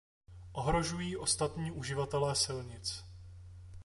Ohrožují ostatní uživatele silnic.